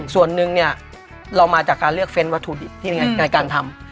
ส่วนหนึ่งเนี่ยเรามาจากการเลือกเฟ้นวัตถุดิบที่ยังไงในการทำ